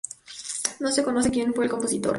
No se conoce quien fue el compositor.